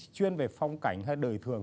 chuyên về phong cảnh hay đời thường